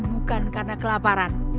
bukan karena kelaparan